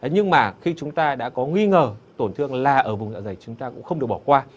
nhưng mà khi chúng ta đã có nghi ngờ tổn thương là ở vùng dạ dày chúng ta cũng không được bỏ qua